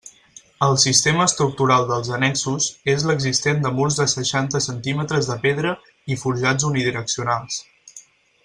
El sistema estructural dels annexos és l'existent de murs de seixanta centímetres de pedra i forjats unidireccionals.